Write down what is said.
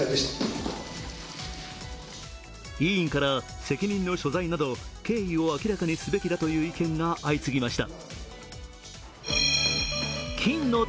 委員から責任の所在など経緯を明らかにすべきだという意見が相次ぎました。